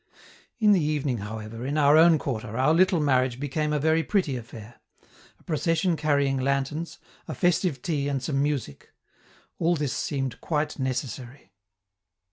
In the evening, however, in our own quarter, our little marriage became a very pretty affair a procession carrying lanterns, a festive tea and some music. All this seemed quite necessary.